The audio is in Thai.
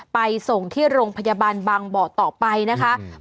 ไปส่งที่โรงพยาบาลบางบ่อต่อไปนะคะ